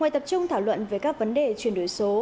tập trung thảo luận với các vấn đề chuyển đổi số